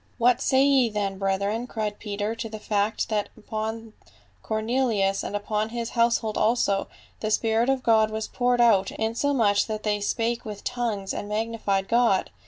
"What say ye then, brethren," cried Peter, " to the fact that upon Cornelius and upon his household also, the spirit of God was poured out, insomuch that they spake with tongues and magnified God